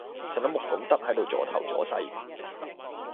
成碌木咁得喺度阻頭阻勢!